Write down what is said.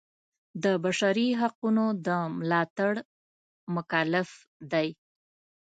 د بشري حقونو د ملاتړ مکلف دی.